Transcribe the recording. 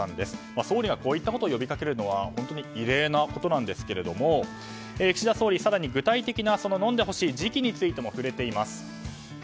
総理がこういったことを呼びかけるのは本当に異例なことなんですが岸田総理、更に具体的に飲んでほしい時期についても触れています。